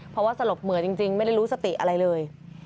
เพราะว่าสลบเหมือนจริงไม่ได้รู้สติอะไรเลย